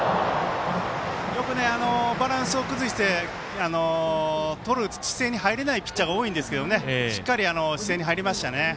よく、バランスを崩してとる姿勢に入れないピッチャーが多いんですけどしっかり姿勢に入りましたね。